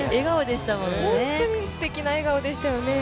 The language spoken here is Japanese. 本当にすてきな笑顔でしたよね。